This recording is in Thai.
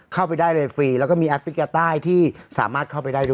เข้าไปได้เลยฟรีแล้วก็มีแอฟริกาใต้ที่สามารถเข้าไปได้ด้วย